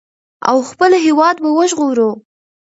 او خپل هېواد به وژغورو.